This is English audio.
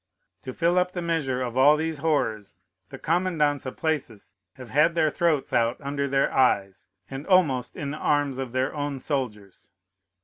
To fill up the measure of all these horrors, the commandants of places have had their throats out under the eyes and almost in the arms of their own soldiers.